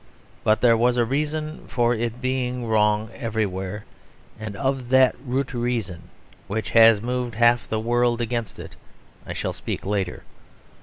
But there was a reason for its being wrong everywhere; and of that root reason, which has moved half the world against it, I shall speak later.